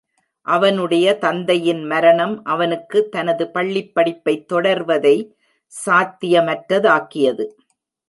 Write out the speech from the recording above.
அவனுடைய தந்தையின் மரணம் அவனுக்கு தனது பள்ளிப்படிப்பைத் தொடர்வதை சாத்தியமற்றதாக்கியது.